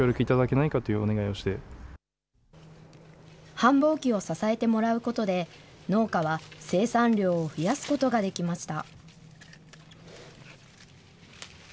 繁忙期に支えてもらうことで、農家は生産量を増やすことができました。